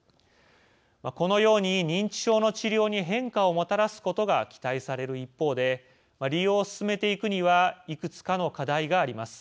このように認知症の治療に変化をもたらすことが期待される一方で利用を進めていくにはいくつかの課題があります。